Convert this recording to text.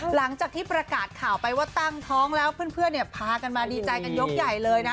หลังจากที่ประกาศข่าวไปว่าตั้งท้องแล้วเพื่อนพากันมาดีใจกันยกใหญ่เลยนะ